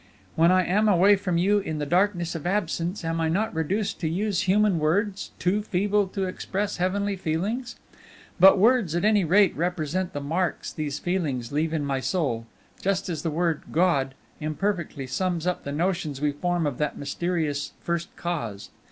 "When I am away from you in the darkness of absence, am I not reduced to use human words, too feeble to express heavenly feelings? But words at any rate represent the marks these feelings leave in my soul, just as the word God imperfectly sums up the notions we form of that mysterious First Cause.